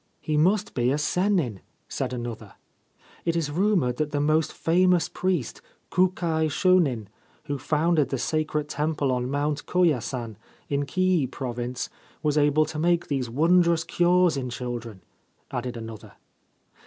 ' He must be a Sennin,' said another. * It is rumoured that the most famous priest, Kukai shonin, who founded the sacred temple on Mount Koyasan, in Kii Province, was able to make these wondrous cures in children/ added another.